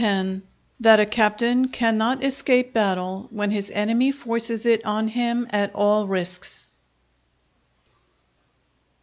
—_That a Captain cannot escape Battle when his Enemy forces it on him at all risks.